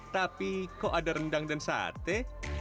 tapi kok ada rendang dan sate